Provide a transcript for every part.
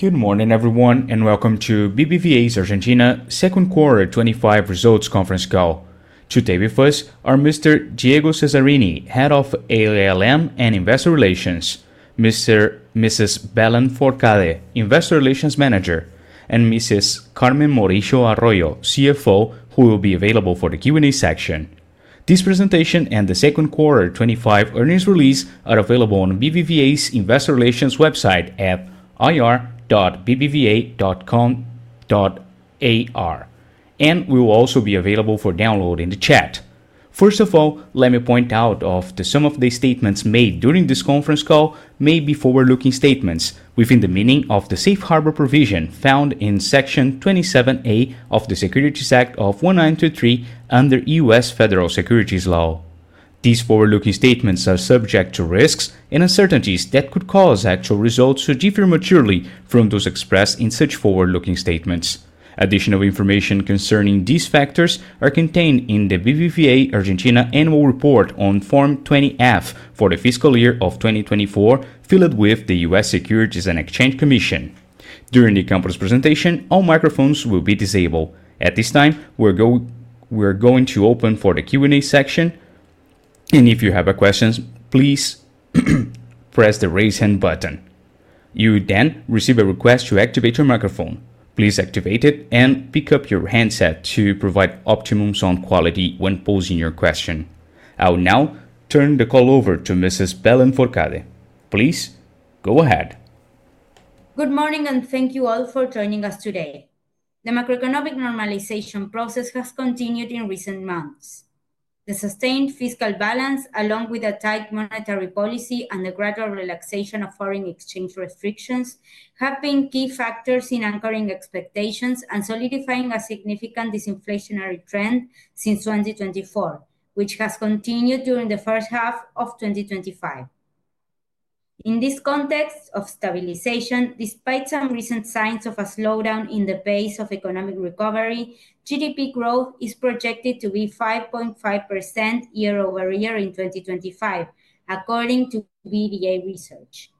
Good morning everyone and welcome to BBVA Argentina's second quarter 2025 results conference call today. With us are Mr. Diego Cesarini, Head of ALM and Investor Relations, Ms. Belén Fourcade, Investor Relations Manager, and Mrs. Carmen Morillo Arroyo, CFO, who will be available for the Q&A section. This presentation and the second quarter 2025 earnings release are available on BBVA Argentina's investor relations website at ir.bbva.com.ar and will also be available for download in the chat. First of all, let me point out that some of the statements made during this conference call may be forward-looking statements within the meaning of the safe harbor provision found in Section 27A of the Securities Act of 1933. Under U.S. federal securities law, these forward-looking statements are subject to risks and uncertainties that could cause actual results to differ materially from those expressed in such forward-looking statements. Additional information concerning these factors is contained in the BBVA Argentina annual report on Form 20-F for the fiscal year of 2024 filed with the U.S. Securities and Exchange Commission. During the conference presentation, all microphones will be disabled at this time. We're going to open for the Q&A section and if you have a question, please press the Raise Hand button. You will then receive a request to activate your microphone. Please activate it and pick up your handset to provide optimum sound quality when posing your question. I will now turn the call over to Ms. Belén Fourcade. Please go ahead. Good morning and thank you all for joining us today. The macroeconomic normalization process has continued in recent months. The sustained fiscal balance, along with a tight monetary policy and the gradual relaxation of foreign exchange restrictions, have been key factors in anchoring expectations and solidifying a significant disinflationary trend since 2024, which has continued during the first half of 2025. In this context of stabilization, despite some recent signs of a slowdown in the pace of economic recovery, GDP growth is projected to be 5.5% year over year in 2025, according to VDA research.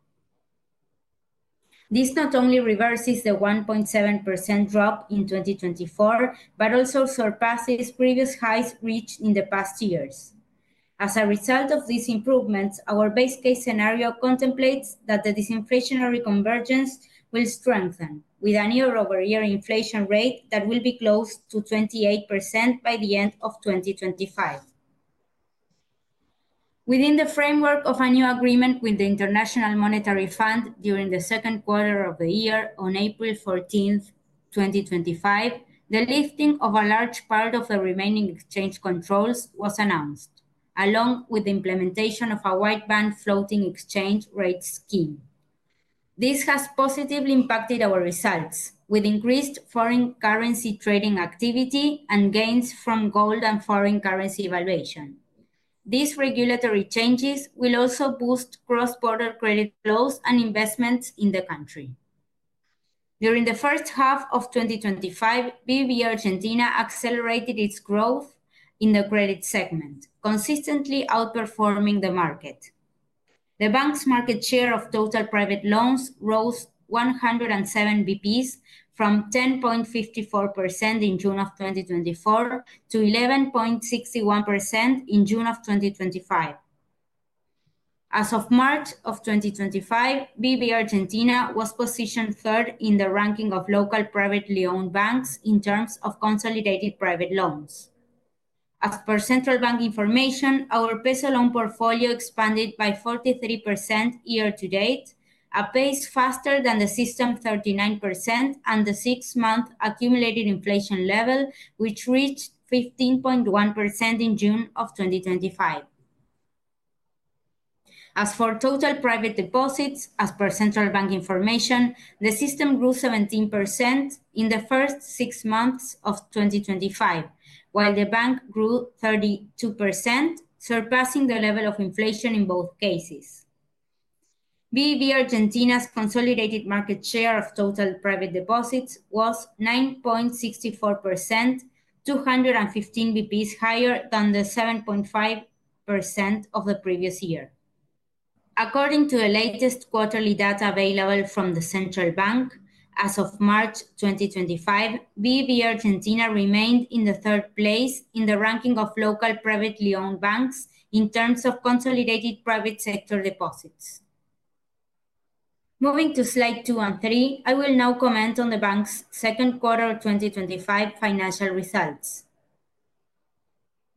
This not only reverses the 1.7% drop in 2024, but also surpasses previous highs reached in the past years as a result of these improvements. Our base case scenario contemplates that the disinflationary convergence will strengthen with a year over year inflation rate that will be close to 28% by the end of 2025. Within the framework of a new agreement with the International Monetary Fund during the second quarter of the year, on April 14, 2025, the lifting of a large part of the remaining exchange controls was announced along with the implementation of a wide-band floating exchange rate system. This has positively impacted our results with increased foreign currency trading activity and gains from gold and foreign currency valuation. These regulatory changes will also boost cross-border credit flows and investments in the country. During the first half of 2025, BBVA Argentina accelerated its growth in the credit segment, consistently outperforming the market. The bank's market share of total private loans rose 107 basis points from 10.54% in June 2024 to 11.61% in June 2025. As of March 2025, BBVA Argentina was positioned third in the ranking of local privately owned banks in terms of consolidated private loans. As per Central Bank information, our peso loan portfolio expanded by 43% year to date, a pace faster than the system 39% and the six-month accumulated inflation level which reached 15.1% in June 2025. As for total private deposits, as per Central Bank information, the system grew 17% in the first six months of 2025 while the bank grew 32%, surpassing the level of inflation in both cases. BBVA Argentina's consolidated market share of total private deposits was 9.64%, 215 basis points higher than the 7.5% of the previous year according to the latest quarterly data available from the Central Bank. As of March 2025, BBVA Argentina remained in third place in the ranking of local privately owned banks in terms of consolidated private sector deposits, moving to slide 2 and 3. I will now comment on the bank's second quarter 2025 financial results.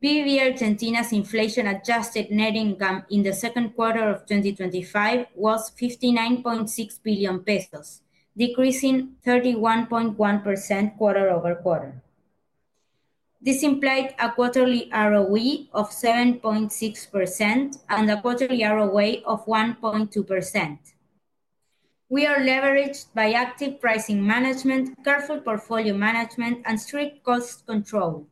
BBVA Argentina's inflation adjusted net income in the second quarter of 2025 was 59.6 billion pesos, decreasing 31.1% quarter over quarter. This implied a quarterly ROE of 7.6% and a quarterly ROA of 1.2%. We are leveraged by active pricing management, careful portfolio management, and strict cost control,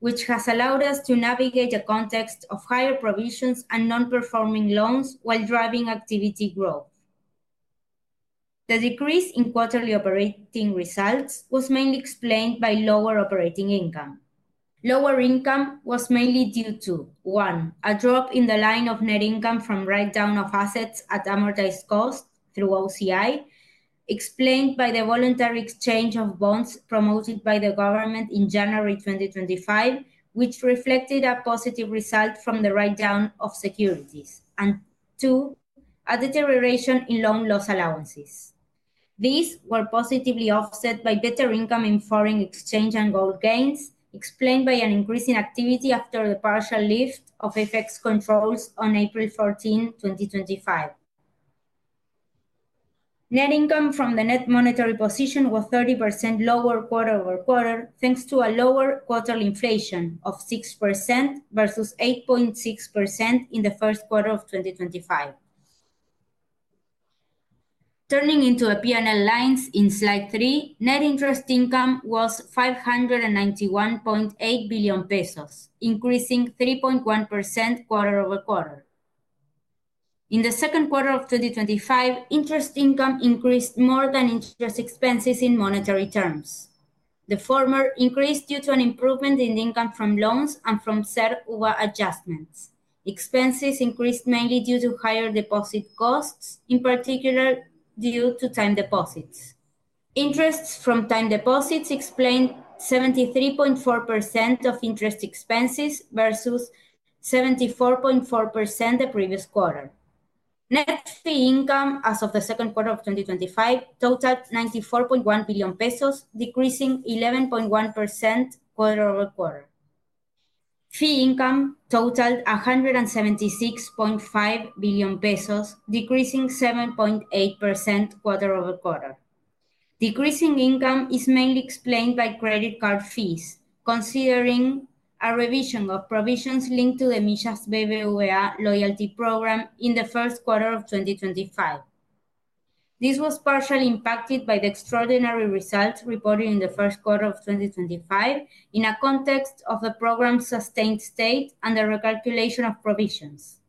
which has allowed us to navigate the context of higher provisions and non-performing loans while driving activity growth. The decrease in quarterly operating results was mainly explained by lower operating income. Lower income was mainly due to, one, a drop in the line of net income from write-down of assets at amortized cost through OCI explained by the voluntary exchange of bonds promoted by the government in January 2025, which reflected a positive result from the write-down of securities, and, two, a deterioration in loan loss allowances. These were positively offset by better income in foreign exchange and gold gains explained by an increase in activity after the partial lift of FX controls on April 14, 2025. Net income from the net monetary position was 30% lower quarter over quarter thanks to a lower quarterly inflation of 6% versus 8.6% in the first quarter of 2025. Turning into P&L lines in slide 3, net interest income was 591.8 billion pesos, increasing 3.1% quarter over quarter. In the second quarter of 2025, interest income increased more than interest expenses in monetary terms. The former increased due to an improvement in income from loans and from CER/UVA adjustments. Expenses increased mainly due to higher deposit costs, in particular due to time deposits. Interest from time deposits explained 73.4% of interest expenses versus 74.4% the previous quarter. Net income as of the second quarter of 2025 totaled 94.1 billion pesos, decreasing 11.1% quarter over quarter. Fee income totaled 176.5 billion pesos, decreasing 7.8% quarter over quarter. Decrease in income is mainly explained by credit card fees. Considering a revision of provisions linked to the Millas BBVA loyalty program in the first quarter of 2025, this was partially impacted by the extraordinary results reported in the first quarter of 2025. In a context of the program's sustained state and the recalculation of provisions,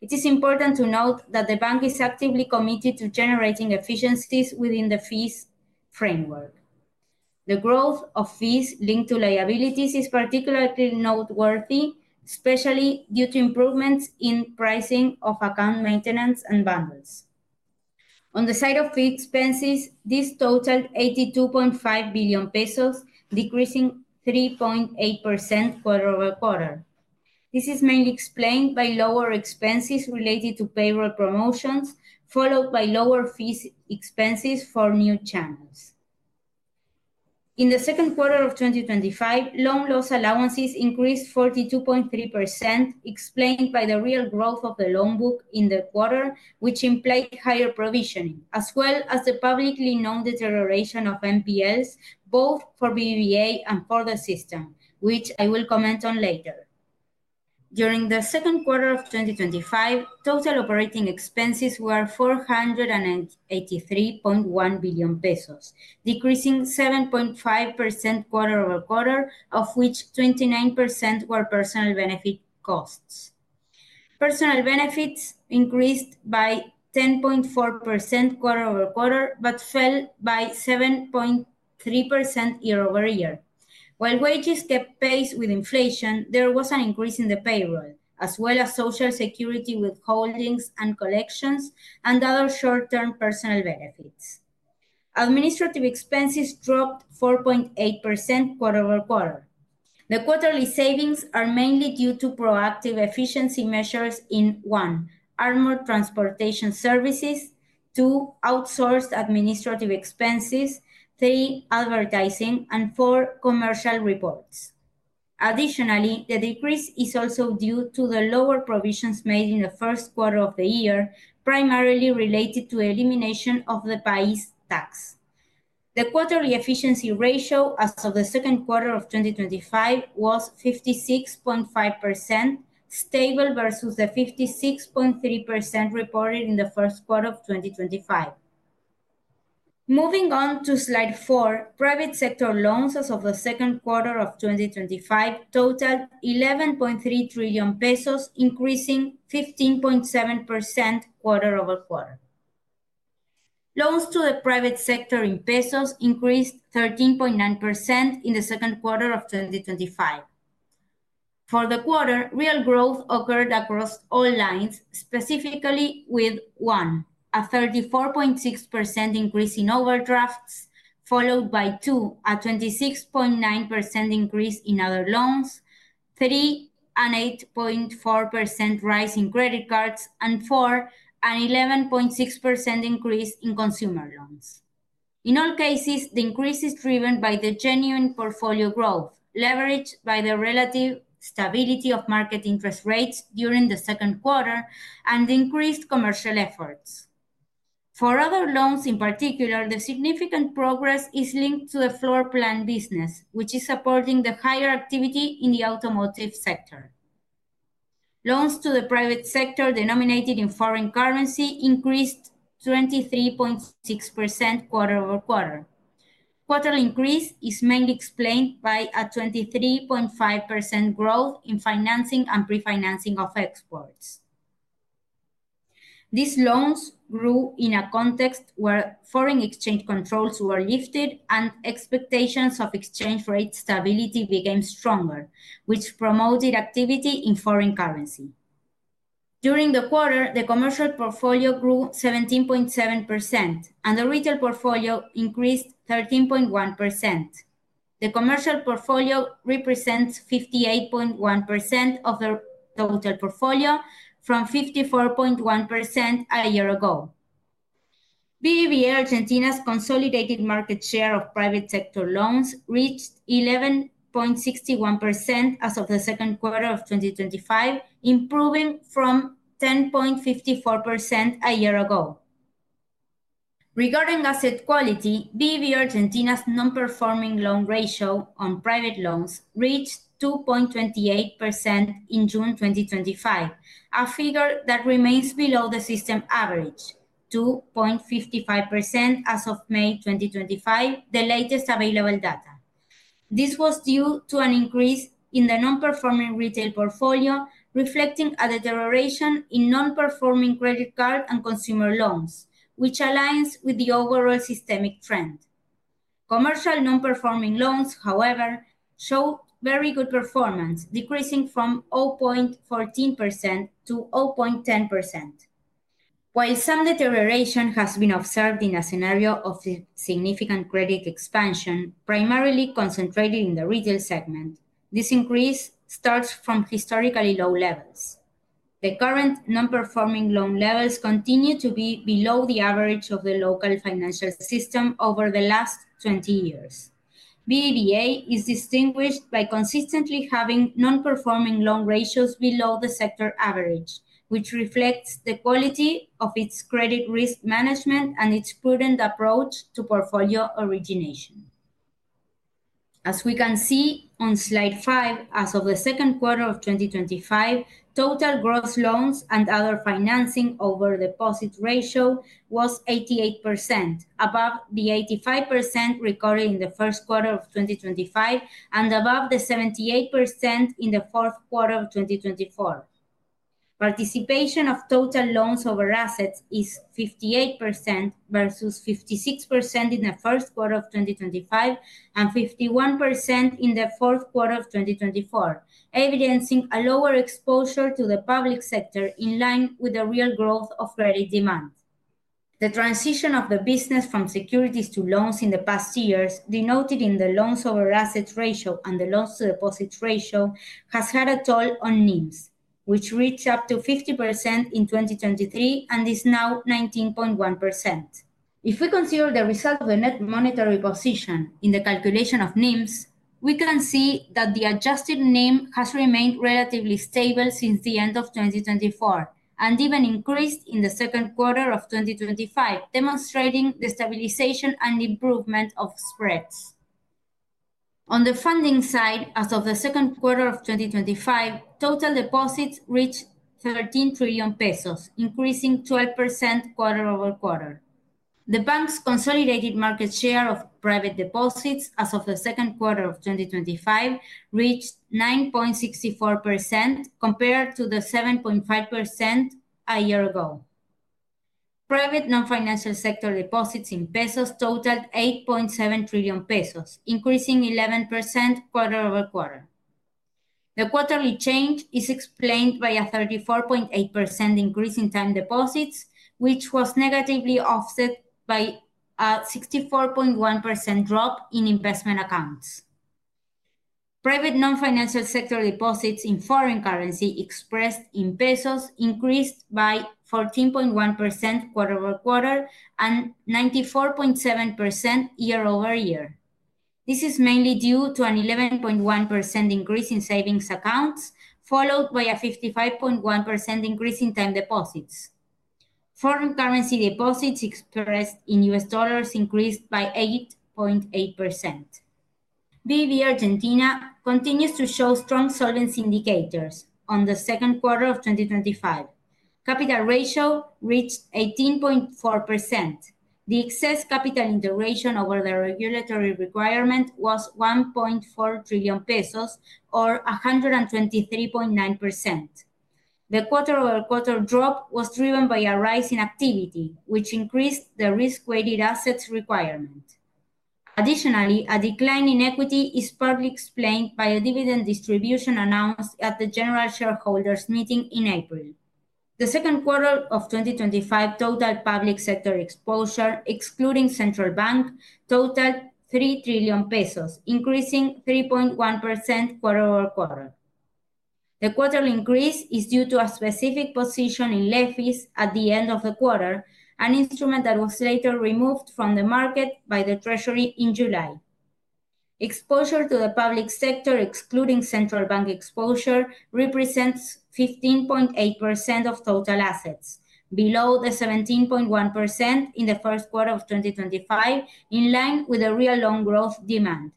it is important to note that the bank is actively committed to generating efficiencies within the FEES framework. The growth of fees linked to liabilities is particularly noteworthy, especially due to improvements in pricing of account maintenance and bundles on the side of expenses. This totaled 82.5 billion pesos, decreasing 3.8% quarter over quarter. This is mainly explained by lower expenses related to payroll promotions followed by lower fees expenses for new channels. In the second quarter of 2025, loan loss allowances increased 42.3% explained by the real growth of the loan book in the quarter which implied higher provisioning as well as the publicly known deterioration of NPLs both for BBVA Argentina and for the system, which I will comment on later. During the second quarter of 2025, total operating expenses were 483.1 billion pesos, decreasing 7.5% quarter over quarter, of which 29% were personal benefit costs. Personal benefits increased by 10.4% quarter over quarter, but fell by 7.3% year over year while wages kept pace with inflation. There was an increase in the payroll as well as Social Security withholdings and collections and other short term personal benefits. Administrative expenses dropped 4.8% quarter over quarter. The quarterly savings are mainly due to proactive efficiency measures in one, armored transportation services, two, outsourced administrative expenses, three, advertising, and four, commercial reports. Additionally, the decrease is also due to the lower provisions made in the first quarter of the year primarily related to elimination of the pays tax. The quarterly efficiency ratio as of the second quarter of 2025 was 56.5%, stable versus the 56.3% reported in the first quarter of 2025. Moving on to slide 4, private sector loans as of the second quarter of 2025 totaled 11.3 trillion pesos, increasing 15.7% while quarter over quarter loans to the private sector in pesos increased 13.9% in the second quarter of 2025. For the quarter, real growth occurred across all lines, specifically with one, a 34.6% increase in overdrafts followed by two, a 26.9% increase in other loans, three, an 8.4% rise in credit cards, and four, an 11.6% increase in consumer loans. In all cases, the increase is driven by the genuine portfolio growth leveraged by the relative stability of market interest rates during the second quarter and increased commercial efforts for other loans. In particular, the significant progress is linked to a floor plan business which is supporting the higher activity in the automotive sector. Loans to the private sector denominated in foreign currency increased 23.6% quarter over quarter. Quarter increase is mainly explained by a 23.5% growth in financing and pre financing of exports. These loans grew in a context where foreign exchange controls were lifted and expectations of exchange rate stability became stronger, which promoted activity in foreign currency. During the quarter, the commercial portfolio grew 17.7% and the retail portfolio increased 13.1%. The commercial portfolio represents 58.1% of the total portfolio, up from 54.1% a year ago. BBVA Argentina's consolidated market share of private sector loans reached 11.61% as of the second quarter of 2025, improving from 10.54% a year ago. Regarding asset quality, BBVA Argentina's non-performing loan ratio on private loans reached 2.28% in June 2025, a figure that remains below the system average of 2.55% as of May 2025, the latest available data. This was due to an increase in the non-performing retail portfolio reflecting a deterioration in non-performing credit card and consumer loans, which aligns with the overall systemic trend. Commercial non-performing loans, however, show very good performance, decreasing from 0.14% to 0.10%, while some deterioration has been observed in a scenario of significant credit expansion primarily concentrated in the retail segment. This increase starts from historically low levels. The current non-performing loan levels continue to be below the average of the local financial system over the last 20 years. BBVA is distinguished by consistently having non-performing loan ratios below the sector average, which reflects the quality of its credit risk management and its prudent approach to portfolio origination. As we can see on Slide 5, as of the second quarter of 2025, total gross loans and other financing over deposit ratio was 88%, above the 85% recorded in the first quarter of 2025 and above the 78% in the fourth quarter of 2024. Participation of total loans over assets is 58% versus 56% in the first quarter of 2025 and 51% in the fourth quarter of 2024, evidencing a lower exposure to the public sector in line with the real growth of credit demand. The transition of the business from securities to loans in the past years denoted in the loans over assets ratio and the loans to deposit ratio has had a toll on NIMs, which reached up to 50% in 2023 and is now 19.1%. If we consider the result of the net monetary position in the calculation of NIMs, we can see that the adjusted NIM has remained relatively stable since the end of 2024 and even increased in the second quarter of 2025, demonstrating the stabilization and improvement of spreads on the funding side. As of the second quarter of 2025, total deposits reached 13 trillion pesos, increasing 12% quarter over quarter. The bank's consolidated market share of private deposits as of the second quarter of 2025 reached 9.64% compared to 7.5% a year ago. Private non-financial sector deposits in pesos totaled 8.7 trillion pesos, increasing 11% quarter over quarter. The quarterly change is explained by a 34.8% increase in time deposits, which was negatively offset by a 64.1% drop in investment accounts. Private non-financial sector deposits in foreign currency expressed in pesos increased by 14.1% quarter over quarter and 94.7% year over year. This is mainly due to an 11.1% increase in savings accounts, followed by a 55.1% increase in time deposits. Foreign currency deposits expressed in U.S. dollars increased by 8.8%. BBVA Argentina continues to show strong solvency indicators. In the second quarter of 2025, capital ratio reached 18.4%. The excess capital integration over the regulatory requirement was 1.4 trillion pesos or 123.9%. The quarter over quarter drop was driven by a rise in activity, which increased the risk-weighted assets requirement. Additionally, a decline in equity is partly explained by a dividend distribution announced at the General Shareholders Meeting in April, the second quarter of 2025. Total public sector exposure excluding central bank totaled 3 trillion pesos, increasing 3.1% quarter over quarter. The quarterly increase is due to a specific position in LEFIs at the end of the quarter, an instrument that was later removed from the market by the Treasury in July. Exposure to the public sector, excluding central bank exposure, represents 15.8% of total assets, below the 17.1% in the first quarter of 2025, in line with the real loan growth demand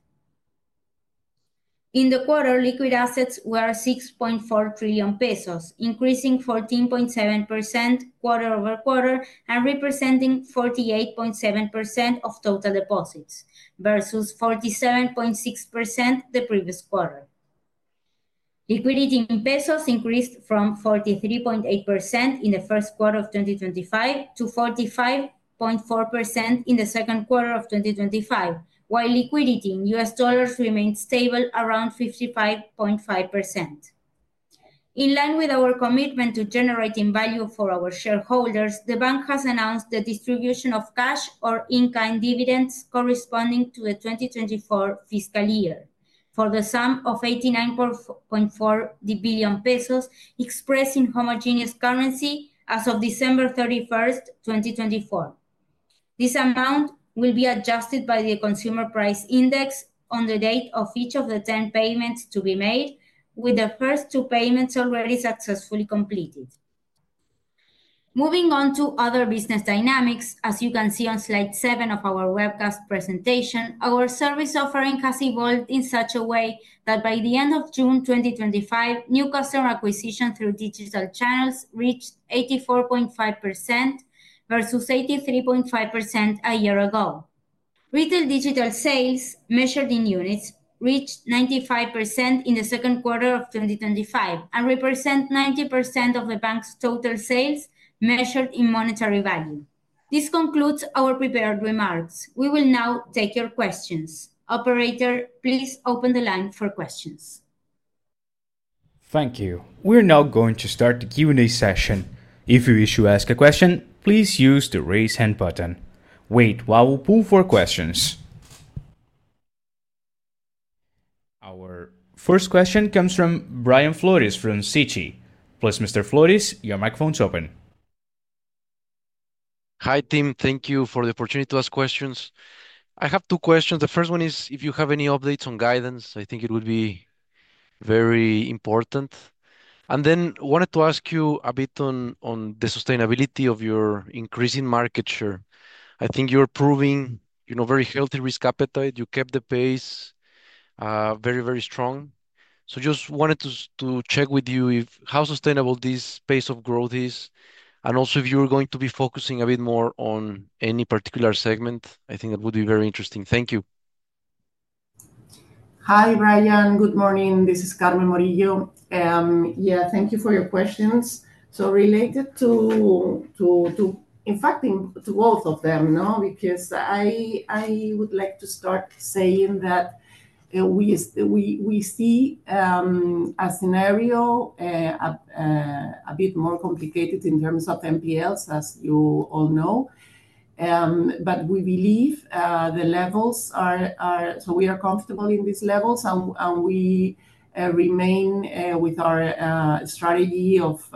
in the quarter. Liquid assets were 6.4 trillion pesos, increasing 14.7% quarter over quarter and representing 48.7% of total deposits versus 47.6% the previous quarter. Liquidity in pesos increased from 43.8% in the first quarter of 2025 to 45.4% in the second quarter of 2025, while liquidity in U.S. dollars remained stable around 55.5%. In line with our commitment to generating value for our shareholders, the bank has announced the distribution of cash or in kind dividends corresponding to the 2024 fiscal year for the sum of 89.4 billion pesos, expressing homogeneous currency as of December 31, 2024. This amount will be adjusted by the Consumer Price Index on the date of each of the 10 payments to be made, with the first two payments already successfully completed. Moving on to other business dynamics, as you can see on slide 7 of our webcast presentation, our service offering has evolved in such a way that by the end of June 2025, new customer acquisition through digital channels reached 84.5% versus 83.5% a year ago. Retail digital sales measured in units reached 95% in the second quarter of 2025 and represent 90% of the bank's total sales measured in monetary value. This concludes our prepared remarks. We will now take your questions. Operator, please open the line for questions. Thank you. We're now going to start the Q&A session. If you wish to ask a question, please use the raise hand button. Wait while we pull for questions. Our first question comes from Brian Flores from Citi, please. Mr. Flores, your microphone's open. Hi Tim, thank you for the opportunity to ask questions. I have two questions. The first one is if you have any updates on guidance, I think it would be very important, and then wanted to ask you a bit on the sustainability of your increasing market share. I think you're proving very healthy risk appetite. You kept the pace very, very strong. I just wanted to check with you how sustainable this pace of growth is. Also, if you're going to be focusing a bit more on any particular segment, I think that would be very interesting. Thank you. Hi Brian, good morning. This is Carmen Morillo Arroyo. Thank you for your questions. Related to, in fact, both of them, I would like to start saying that we see a scenario a bit more complicated in terms of NPLs, as you all know. We believe the levels are, so we are comfortable in these levels, and we remain with our strategy of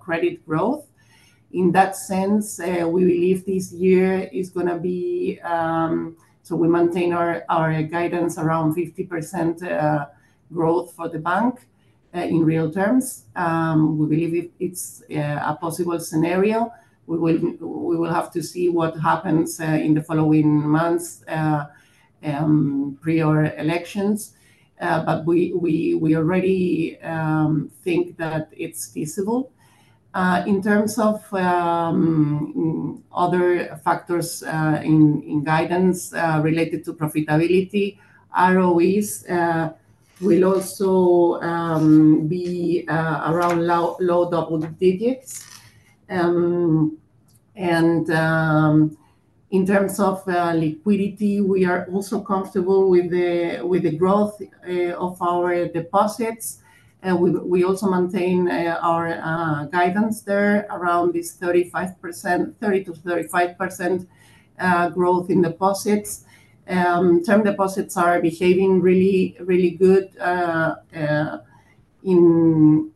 credit growth. In that sense, we believe this year is going to be, so we maintain our guidance around 50% growth for the bank in real terms. We believe it's a possible scenario. We will have to see what happens in the following months pre or elections, but we already think that it's feasible. In terms of other factors in guidance related to profitability, ROEs will also be around low double digits. In terms of liquidity, we are also comfortable with the growth of our deposits. We also maintain our guidance there around this 30%-35% growth in deposits. Time deposits are behaving really, really good,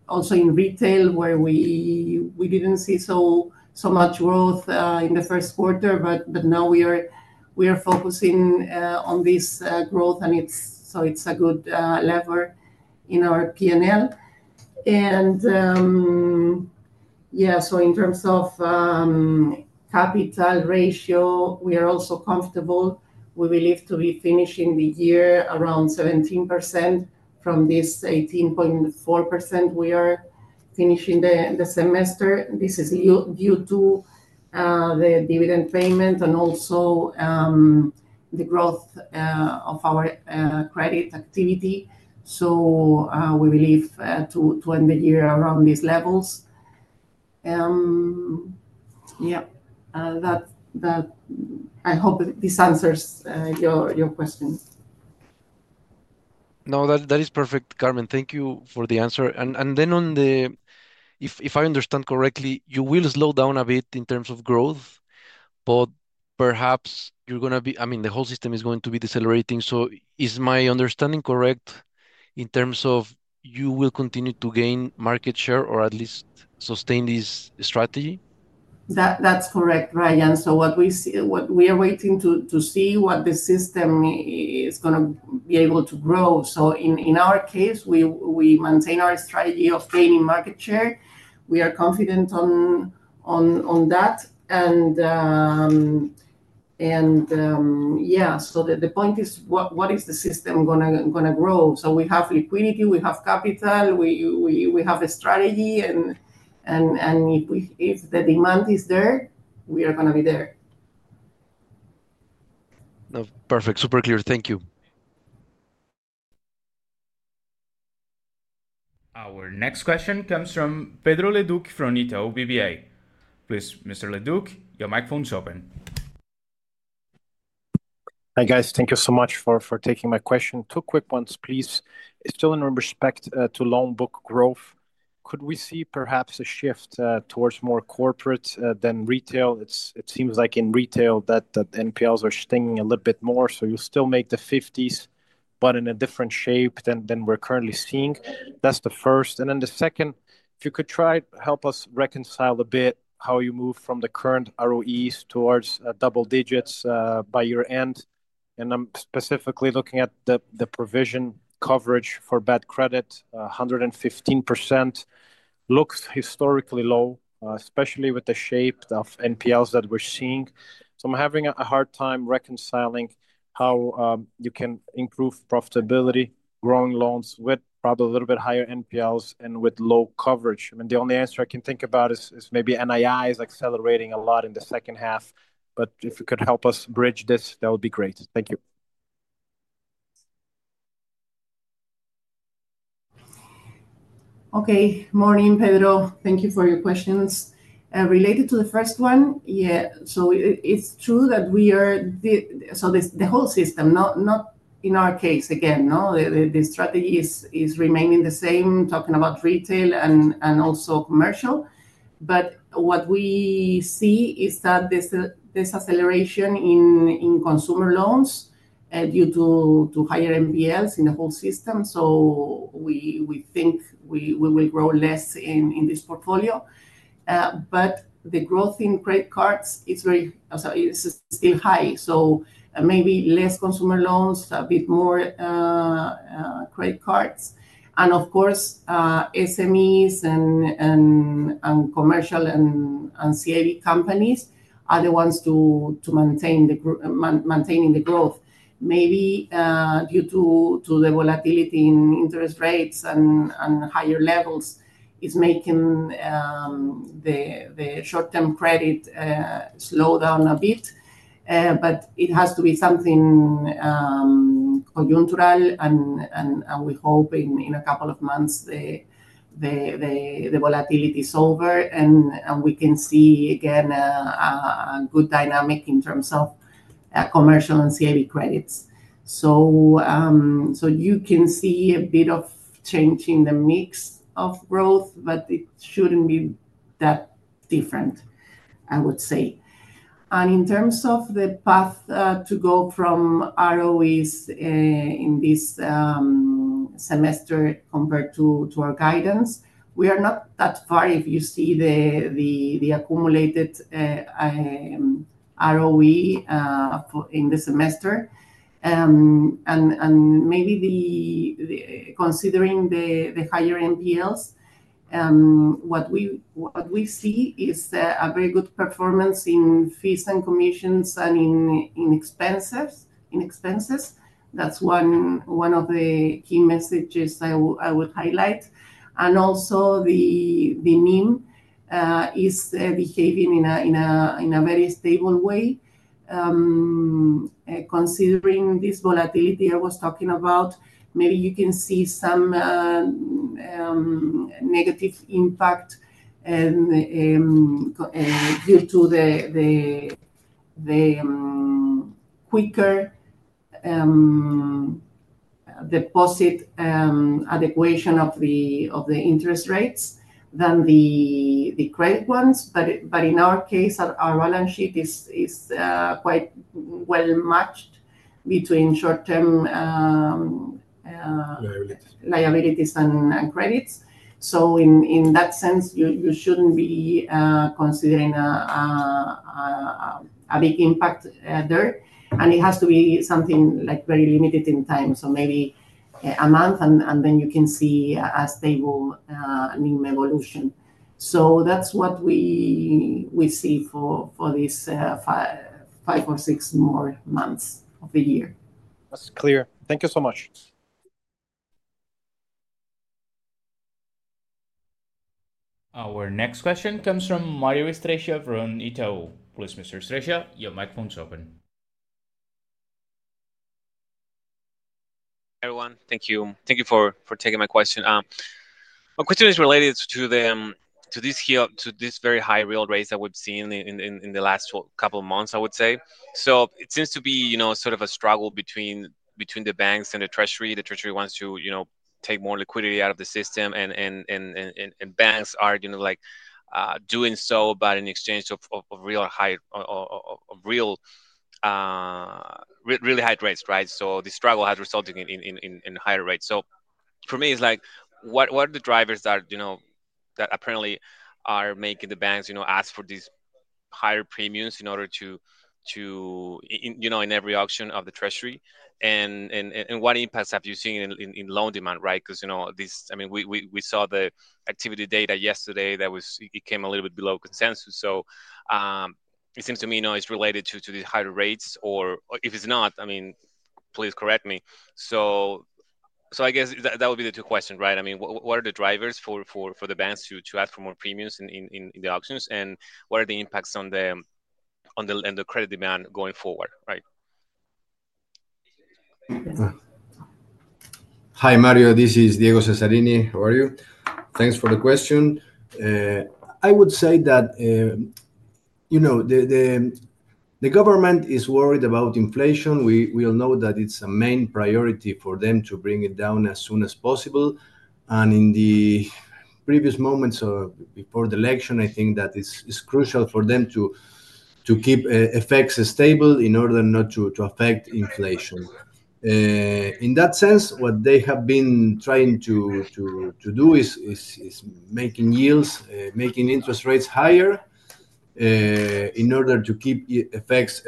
also in retail, where we didn't see so much growth in the first quarter, but now we are focusing on this growth. It's a good lever in our P&L. In terms of capital ratio, we are also comfortable. We believe to be finishing the year around 17%, from this 18.4% we are finishing the semester. This is due to the dividend payment and also the growth of our credit activity. We believe to end the year around these levels. I hope this answers your questions. That is perfect, Carmen, thank you for the answer. If I understand correctly, you will slow down a bit in terms of growth, but perhaps you're going to be, I mean the whole system is going to be decelerating. Is my understanding correct in terms of you will continue to gain market share or at least sustain this strategy? That's correct, Ryan. What we see, we are waiting to see what the system is going to be able to grow. In our case, we maintain our strategy of gaining market share. We are confident on that and the point is what is the system going to grow? We have liquidity, we have capital, we have a strategy. If the demand is there, we are going to be there. Perfect. Super clear. Thank you. Our next question comes from Pedro Leduc from Itaú BBA, please. Mr. Leduc, your microphone's open. Hi guys. Thank you so much for taking my question. Two quick ones please. Still in respect to loan book growth, could we see perhaps a shift towards more corporate than retail? It seems like in retail that NPLs are stinging a little bit more. You still make the 50s but in a different shape than we're currently seeing. That's the first and then the second. If you could try help us reconcile a bit how you move from the current ROEs towards double digits by year end. I'm specifically looking at the provision coverage for bad credit. 115% looks historically low, especially with the shape of NPLs that we're seeing. I'm having a hard time reconciling how you can improve profitability growing loans with probably a little bit higher NPLs and with low coverage. The only answer I can think about is maybe NII is accelerating a lot in the second half. If you could help us bridge this, that would be great. Than you. Okay. Morning Pedro. Thank you for your questions related to the first one. Yeah, so it's true that we are, so the whole system, not in our case again, no. The strategy is remaining the same, talking about retail and also commercial. What we see is that this acceleration in consumer loans is due to higher NPLs in the whole system. We think we will grow less in this portfolio, but the growth in credit cards is still high. Maybe less consumer loans, a bit more credit cards, and of course SMEs and commercial and CA companies are the ones maintaining the growth. Maybe due to the volatility in interest rates and higher levels, it is making the short-term credit slow down a bit. It has to be something, and we hope in a couple of months the volatility is over and we can see again a good dynamic in terms of commercial and CAV credits. You can see a bit of change in the mix of growth, but it shouldn't be that different, I would say. In terms of the path to go from ROEs in this semester compared to our guidance, we are not that far. If you see the accumulated ROE in the semester and maybe considering the higher NPLs, what we see is a very good performance in fees and commissions and in expenses. In expenses, that's one of the key messages I would highlight. Also, the NIM is behaving in a very stable way considering this volatility. I was talking about maybe you can see some negative impact due to the quicker deposit adequation of the interest rates than the credit ones. In our case, our balance sheet is quite well matched between short-term liabilities and credits. In that sense, you shouldn't be considering a big impact there. It has to be something very limited in time, so maybe a month, and then you can see a stable evolution. That's what we see for these five or six more months of the year. That's clear. Thank you so much. Our next question comes from Mario Estrella from Itaú Asset Management, please. Mr. Estrella, your microphone's open. Thank you for taking my question. My question is related to this very high real rates that we've seen in the last couple of months, I would say. It seems to be, you know, sort of a struggle between the banks and the Treasury. The Treasury wants to take more liquidity out of the system and banks are doing so, but in exchange of really high rates. Right. The struggle has resulted in higher rates. For me, it's like what are the drivers that apparently are making the banks ask for these higher premiums in order in every auction of the Treasury? What impacts have you seen in loan demand? Right, we saw the activity data yesterday that came a little bit below consensus. It seems to me it's related to the higher rates or if it's not, please correct me. I guess that would be the two questions, right? What are the drivers for the bands to add for more premiums in the auctions and what are the impacts on the credit demand going forward? Right. Hi, Mario, this is Diego Cesarini. How are you? Thanks for the question. I would say that, you know, the government is worried about inflation. We all know that it's a main priority for them to bring it down as soon as possible. In the previous moments before the election, I think that it's crucial for them to keep FX stable in order not to affect inflation. In that sense, what they have been trying to do is making yields, making interest rates higher in order to keep FX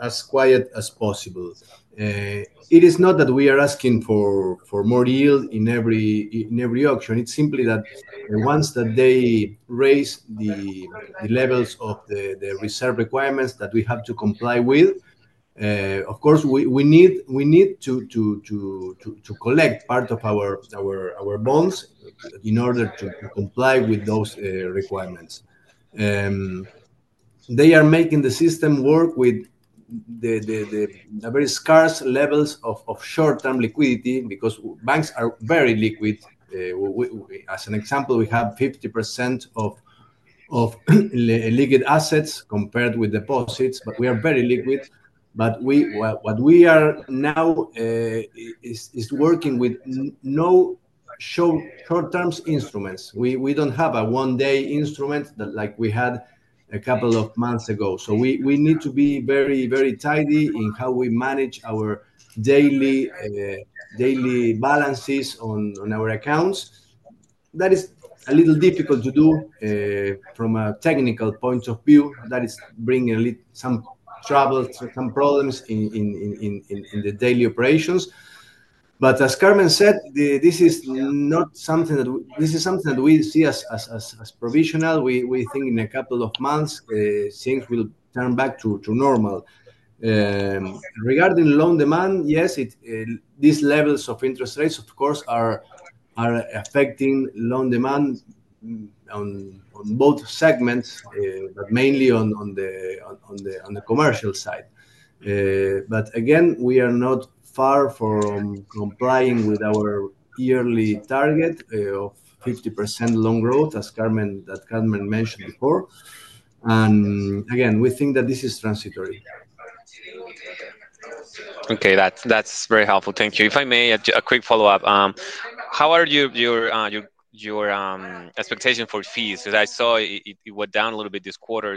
as quiet as possible. It is not that we are asking for more yield in every auction, it's simply that once they raise the levels of the reserve requirements that we have to comply with, of course we need to collect part of our bonds in order to comply with those requirements. They are making the system work with very scarce levels of short-term liquidity because banks are very liquid. As an example, we have 50% of legal assets compared with deposits. We are very liquid. What we are now is working with no short-term instruments. We don't have a one-day instrument like we had a couple of months ago. We need to be very tidy in how we manage our daily balances on our accounts. That is a little difficult to do from a technical point of view. That is bringing some trouble, some problems in the daily operations. As Carmen said, this is something that we see as provisional. We think in a couple of months things will turn back to normal. Regarding loan demand, these levels of interest rates of course are affecting loan demand on both segments, but mainly on the commercial side. We are not far from complying with our yearly target of 50% loan growth as Carmen mentioned before. We think that this is transitory. Okay, that's very helpful, thank you. If I may, a quick follow-up. How are your expectations for fees? As I saw, it went down a little bit this quarter,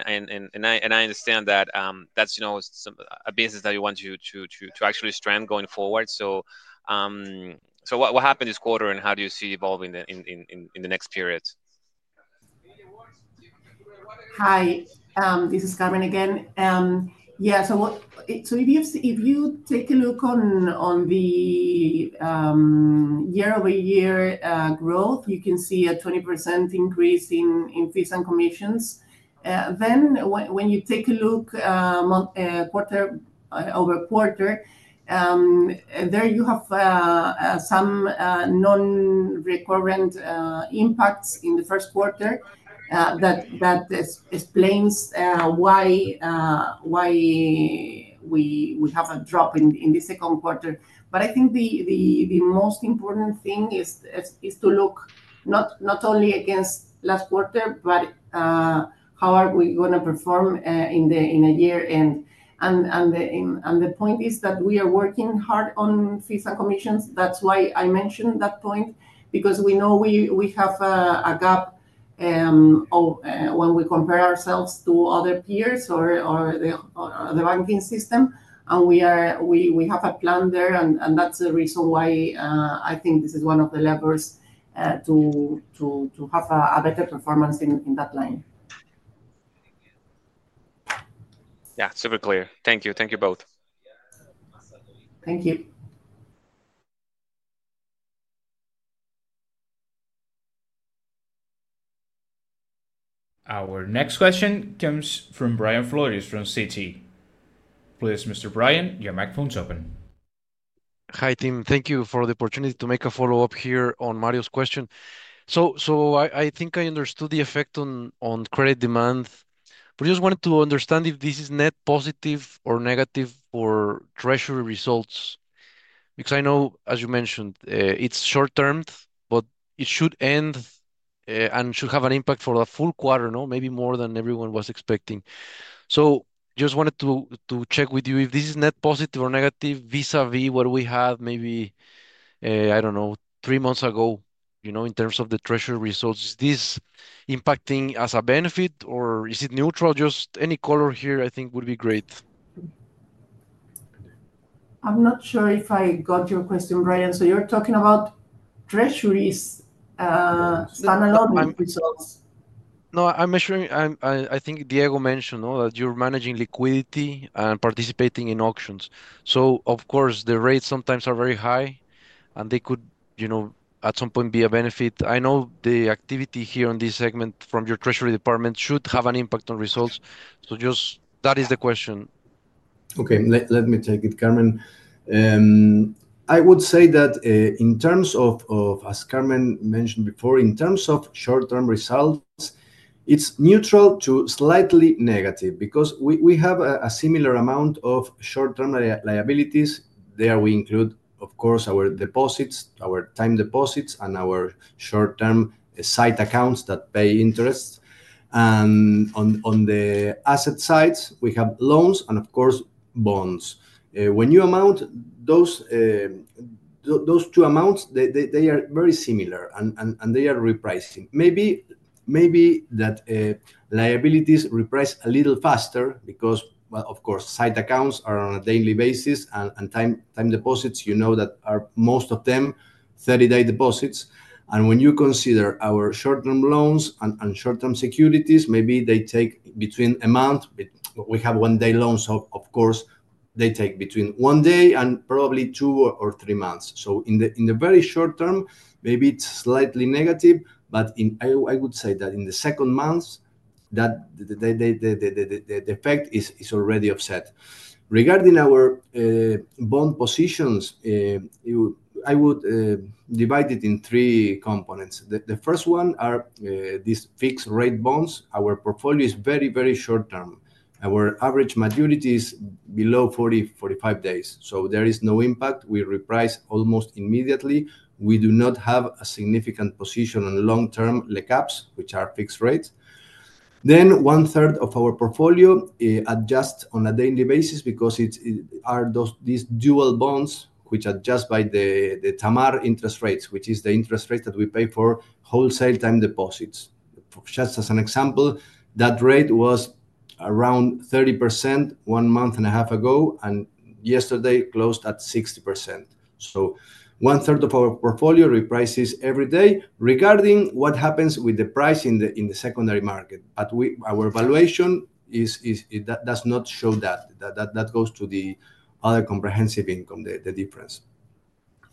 and I understand that that's a business that you want to actually strengthen going forward. What happened this quarter, and how do you see it evolving in the next period? Hi, this is Carmen again. If you take a look on the year over year growth, you can see a 20% increase in fees and commissions. When you take a look quarter over quarter, there you have some non recurrent impacts in the first quarter. That explains why we would have a drop in the second quarter. I think the most important thing is to look not only against last quarter but how are we going to perform in a year. The point is that we are working hard on FISA commissions. That's why I mentioned that point because we know we have a gap when we compare ourselves to other peers or the banking system and we have a plan there. That's the reason why I think this is one of the levers to have a better performance in that line. Yeah, super clear. Thank you. Thank you both. Thank you. Our next question comes from Brian Flores from Citi, please. Mr. Brian, your microphone's open. Hi Tim, thank you for the opportunity to make a follow up here on Mario's question. I think I understood the effect on credit demand but just wanted to understand if this is net positive or negative for treasury results. I know as you mentioned it's short term but it should end and should have an impact for the full quarter, maybe more than everyone was expecting. I just wanted to check with you if this is net positive or negative vis a vis what we had maybe, I don't know, three months ago. In terms of the treasury results, is this impacting as a benefit or is it neutral? Any color here I think would be great. I'm not sure if I got your question, Brian. You're talking about Treasuries standalone? I'm assuring, I think Diego mentioned that you're managing liquidity and participating in auctions. Of course, the rates sometimes are very high and they could at some point be a benefit. I know the activity here on this segment from your Treasury Department should have an impact on results. That is the question. Okay, let me take it, Carmen. I would say that in terms of, as Carmen mentioned before, in terms of short term results, it's neutral to slightly negative because we have a similar amount of short term liabilities there. We include, of course, our deposits, our time deposits, and our short term sight accounts that pay interest. On the asset side, we have loans and, of course, bonds. When you amount those two amounts, they are very similar and they are repricing. Maybe the liabilities reprice a little faster because, of course, sight accounts are on a daily basis, and time deposits, you know, most of them are 30-day deposits. When you consider our short term loans and short term securities, maybe they take between a month. We have one-day loans, so, of course, they take between one day and probably two or three months. In the very short term, maybe it's slightly negative. I would say that in the second month, the effect is already offset. Regarding our bond positions, I would divide it in three components. The first one is these fixed rate bonds. Our portfolio is very, very short term. Our average maturity is below 40, 45 days, so there is no impact. We reprice almost immediately. We do not have a significant position on long term leg ups, which are fixed rates. Then one third of our portfolio adjusts on a daily basis because those are these dual bonds which adjust by the TAMAR interest rates, which is the interest rate that we pay for wholesale time deposits. Just as an example, that rate was around 30% one month and a half ago and yesterday closed at 60%. So one third of our portfolio reprices every day regarding what happens with the price in the secondary market, but our valuation does not show that. That goes to the other comprehensive income, the difference.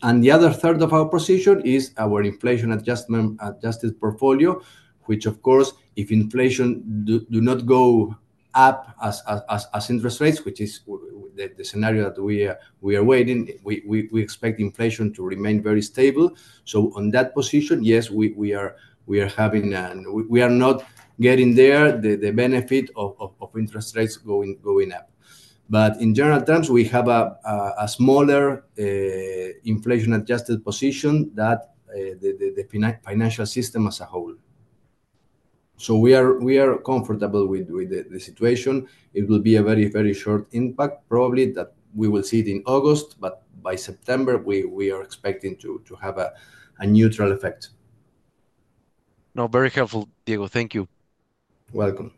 The other third of our position is our inflation adjusted portfolio, which, of course, if inflation does not go up as interest rates, which is the scenario that we are waiting, we expect inflation to remain very stable. On that position, yes, we are not getting there the benefit of interest rates going up. In general terms, we have a smaller inflation adjusted position than the financial system as a whole, so we are comfortable with the situation. It will be a very, very short impact, probably that we will see it in August, but by September we are expecting to have a neutral effect. No. Very helpful, Diego. Thank you. Welcome.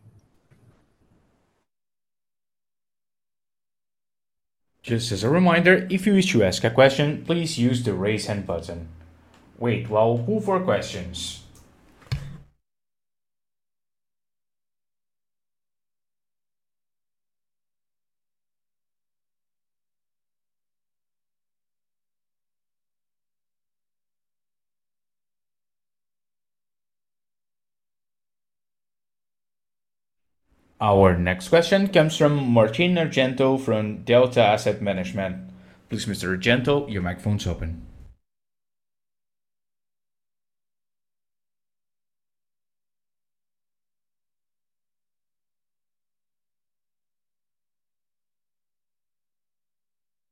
Just as a reminder, if you wish to ask a question, please use the raise hand button. Wait while we pull for questions. Our next question comes from Martín Argento from Delta Asset Management. Please. Mr. Argento, your microphone's open.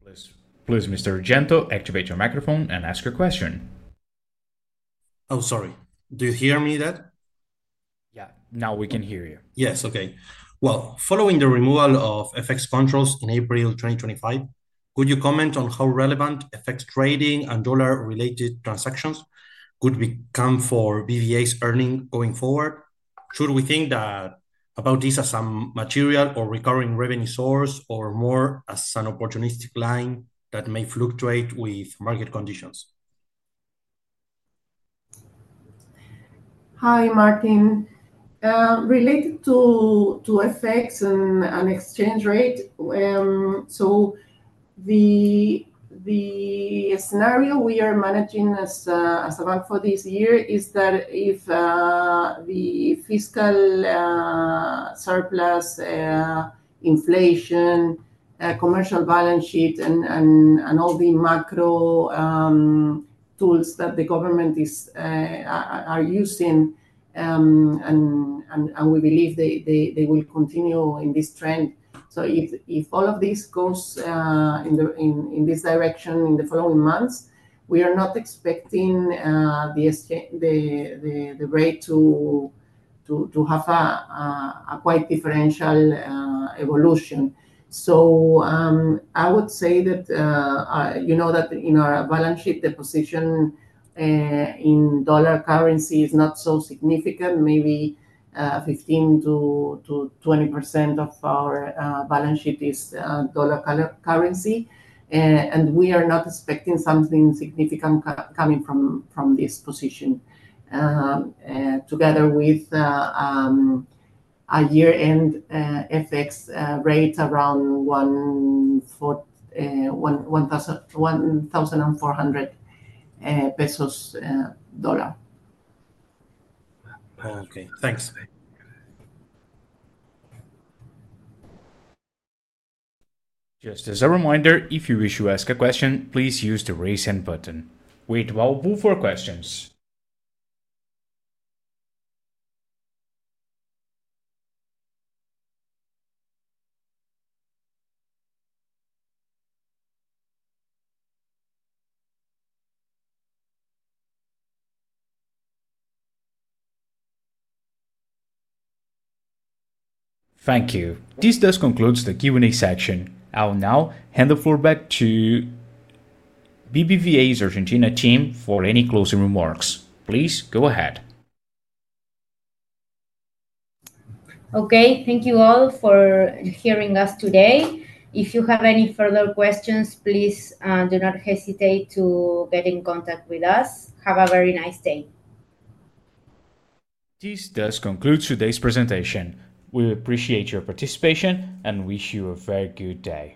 Please. Please, Mr. Argento, activate your microphone and ask a question. Oh, sorry. Do you hear me? Yeah. Now we can hear you. Yes. Okay. Following the removal of FX controls in April 2025, could you comment on how relevant FX trading and dollar related transactions could become for BBVA Argentina's earning going forward? Should we think about this as some material or recurring revenue source or more as an opportunistic line that may fluctuate with market conditions? Hi Martín. Related to FX and exchange rate, the scenario we are managing as for this year is that if the fiscal surplus, inflation, commercial balance sheet, and all the macro tools that the government are using continue in this trend, we believe they will continue in this direction. If all of this goes in this direction in the following months, we are not expecting the rate to have a quite differential evolution. I would say that you know that in our balance sheet the position in dollar currency is not so significant. Maybe 15%-20% of our balance sheet is dollar currency, and we are not expecting something significant coming from this position together with a year-end FX rate around ARS 1,400 per dollar. Okay, thanks. Just as a reminder, if you wish to ask a question, please use the raise hand button and wait for questions. Thank you. This concludes the Q&A section. I'll now hand the floor back to BBVA Argentina's team for any closing remarks. Please go ahead. Okay, thank you all for hearing us today. If you have any further questions, please do not hesitate to get in contact with us. Have a very nice day. This does conclude today's presentation. We appreciate your participation and wish you a very good day.